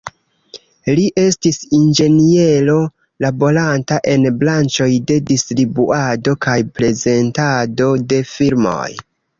Li estis inĝeniero laboranta en branĉoj de distribuado kaj prezentado de filmoj.